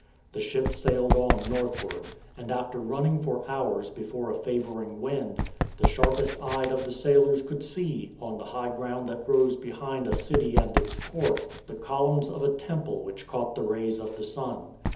The ship sailed on northward, and after running for hours before a favouring wind, the sharpest eyed of the sailors could see, on the high ground that rose behind a city and its port, the columns of a temple which caught the rays of the sun.